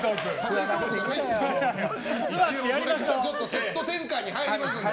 セット転換に入りますので。